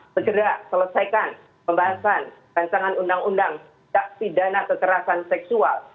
segera selesaikan pembahasan perancangan undang undang taksidana kekerasan seksual